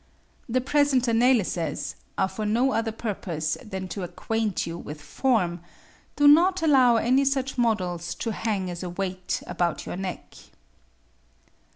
The present analyses are for no other purpose than to acquaint you with form do not allow any such models to hang as a weight about your neck.